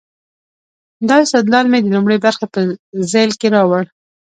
دا استدلال مې د لومړۍ برخې په ذیل کې راوړ.